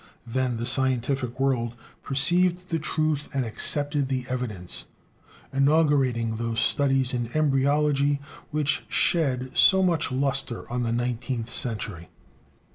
Then the scientific world perceived the truth and accepted the evidence, inaugurating those studies in embryology which shed so much luster on the nineteenth century.